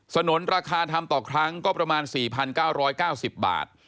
นุนราคาทำต่อครั้งก็ประมาณ๔๙๙๐บาท